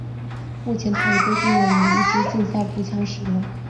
目前它已被定位为一枝竞赛步枪使用。